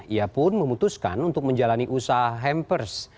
ia pun memutuskan untuk menjalani usaha hampers